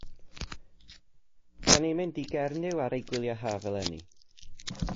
Rydyn ni'n mynd i Gernyw ar ein gwyliau haf eleni.